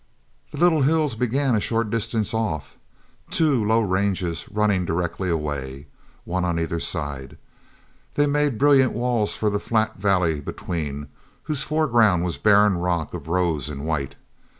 The little hills began a short distance off, two low ranges running directly away. One on either side, they made brilliant walls for the flat valley between, whose foreground was barren rock of rose and white.